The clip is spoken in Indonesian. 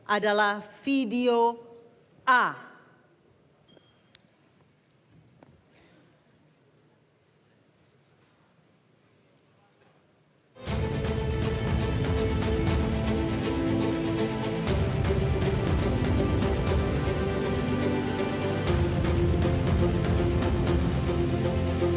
adalah video a